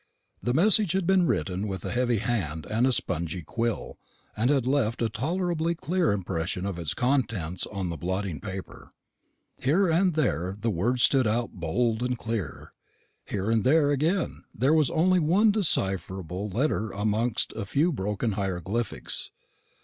The message had been written with a heavy hand and a spongy quill pen, and had left a tolerably clear impression of its contents on the blotting paper. Here and there the words stood out bold and clear; here and there, again, there was only one decipherable letter amongst a few broken hieroglyphics. Mr.